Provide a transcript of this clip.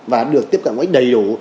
và được tiếp cận mới đầy đủ